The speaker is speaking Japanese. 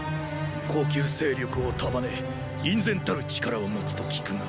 後宮勢力を束ね隠然たる力を持つと聞くが。